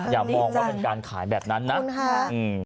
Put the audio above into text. อย่ามองว่าเป็นการขายแบบนั้นนะ